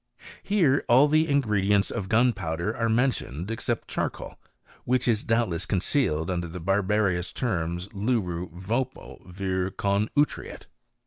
Here all the ingredients gunpowder are mentioned except charcoal, which doubtless concealed under the barbarous terms Iv vopo vir con utriet.